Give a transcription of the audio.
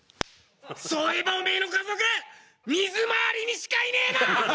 そういえばおめえの家族水回りにしかいねえな！